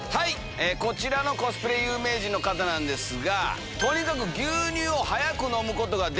こちらのコスプレ有名人の方なんですが。